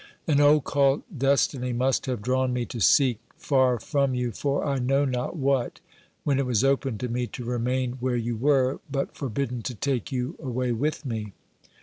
An occult destiny must have drawn me to seek far from you for I know not what, when it was open to me to remain where you were, but forbidden to take you away with me.